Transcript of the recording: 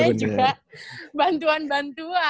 di sini juga bantuan bantuan